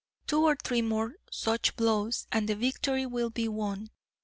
Two or three more such blows, and the victory will be won.